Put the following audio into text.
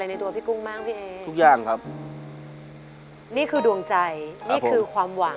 เปลี่ยนเพลงเพลงเก่งของคุณและข้ามผิดได้๑คำ